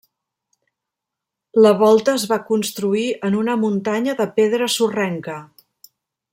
La volta es va construir en una muntanya de pedra sorrenca.